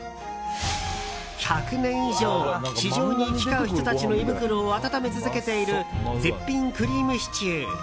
１００年以上市場に行き交う人たちの胃袋を温め続けている絶品クリームシチュー。